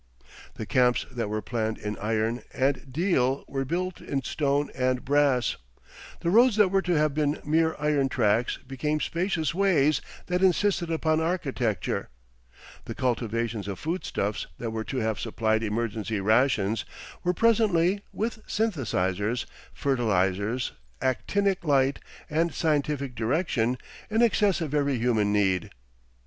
The camps that were planned in iron and deal were built in stone and brass; the roads that were to have been mere iron tracks became spacious ways that insisted upon architecture; the cultivations of foodstuffs that were to have supplied emergency rations, were presently, with synthesisers, fertilisers, actinic light, and scientific direction, in excess of every human need.